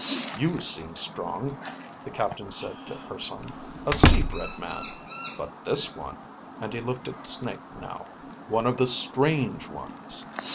"You seem strong," the captain said to Urson, "a sea bred man. But this one," and he looked at Snake now, "one of the Strange Ones...."